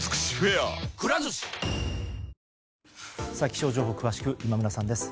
気象情報、詳しく今村さんです。